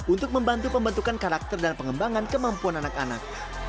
untuk membantu pembentukan karakter dan pengembangan kemampuan anak anak